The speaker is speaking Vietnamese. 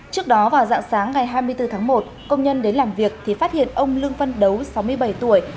trước đó vào dạng sáng ngày hai mươi bốn tháng một công nhân đến làm việc thì phát hiện ông lương văn đấu sáu mươi bảy tuổi